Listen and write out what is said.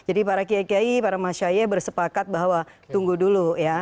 jadi para kiai kiai para masyaiye bersepakat bahwa tunggu dulu ya